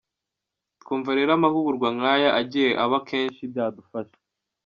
Twumva rero amahugurwa nk’aya agiye aba kenshi byadufasha.